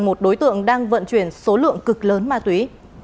một đối tượng đang vận chuyển số lượng cực lớn ma túy